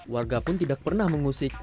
warga pun tidak pernah mengusik